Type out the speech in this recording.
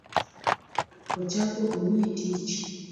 Ochako omiye tich